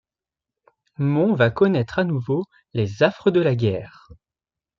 Mont va connaître à nouveau les affres de la guerre.